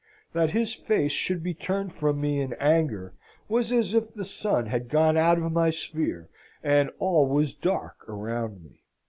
That his face should be turned from me in anger was as if the sun had gone out of my sphere, and all was dark around me.